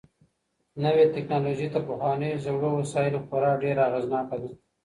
نوې ټکنالوژي تر پخوانيو زړو وسايلو خورا ډېره اغېزناکه ده.